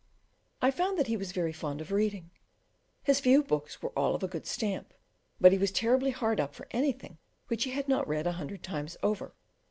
I found that he was very fond of reading; his few books were all of a good stamp, but he was terribly hard up for anything which he had not read a hundred times over.